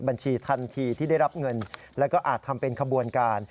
บัญชีทันทีที่ได้รับเงินแล้วก็อาจทำเป็นขบวนการ